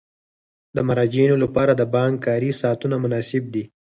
د مراجعینو لپاره د بانک کاري ساعتونه مناسب دي.